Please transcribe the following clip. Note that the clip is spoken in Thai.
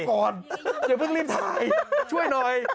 ก่อนอย่าเพิ่งรีบถ่ายช่วยหน่อย